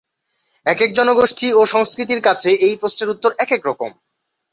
একেক জনগোষ্ঠী ও সংস্কৃতির কাছে এই প্রশ্নের উত্তর একেক রকম।